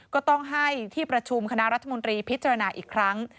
ก็ต้องให้ที่ประชุมคณะรัฐมนตรีพิจารณาอีกครั้ง